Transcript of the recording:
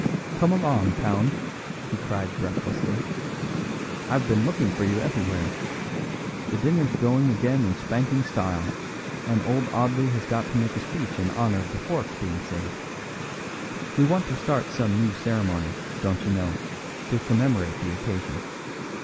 "Come along, Pound," he cried breathlessly. "I've been looking for you everywhere. The dinner's going again in spanking style, and old Audley has got to make a speech in honour of the forks being saved. We want to start some new ceremony, don't you know, to commemorate the occasion.